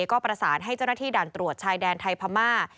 ก็ประสานให้เจ้าหน้าที่ด่านตรวจชายแดนไทยพม่า